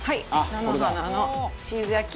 菜の花のチーズ焼き。